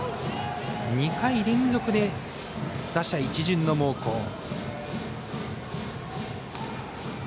２回連続で打者一巡の猛攻。